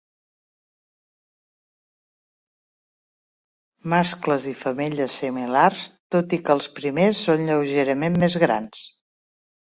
Mascles i femelles similars, tot i que els primers són lleugerament més grans.